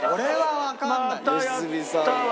良純さん。